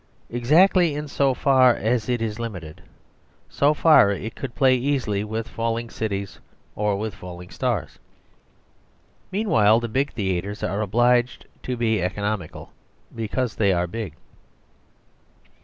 Exactly in so far as it is limited, so far it could play easily with falling cities or with falling stars. Meanwhile the big theatres are obliged to be economical because they are big.